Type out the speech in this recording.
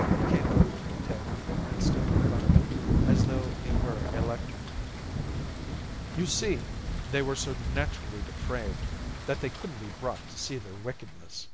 '" He came over to the table and stood in front of it as though it were a lectern. "You see, they were so naturally depraved that they couldn't be brought to see their wickedness.